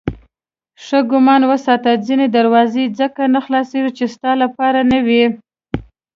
ښه ګمان وساته ځینې دروازې ځکه نه خلاصېدې چې ستا لپاره نه وې.